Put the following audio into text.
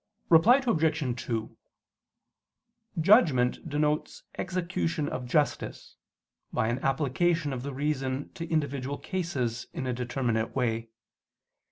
Reply Obj. 2: Judgment denotes execution of justice, by an application of the reason to individual cases in a determinate way.